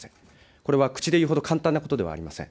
これは口で言うほど簡単なことではありません。